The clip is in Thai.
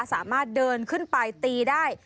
สามารถเดินขึ้นไปตีได้